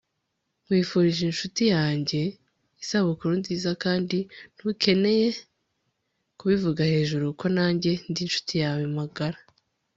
nkwifurije inshuti yanjye isabukuru nziza kandi ntukeneye kubivuga hejuru ko nanjye ndi inshuti yawe magara